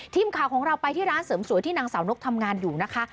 ทีมข่าวของเราไปที่ร้านเสริมสวยที่นางสาวนกทำงานอยู่นะคะ